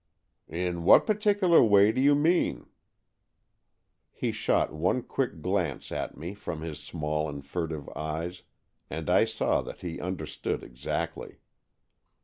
' In what particular way do you mean ?" He shot one quick glance at me from his small and furtive eyes, and I saw that he understood exactly.